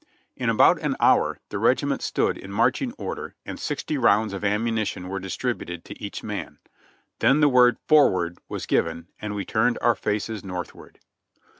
In about an hour the regiment stood in marching order and sixty rounds of ammunition were distributed to each man; then the word "Forward !" was given, and we turned our faces north ward.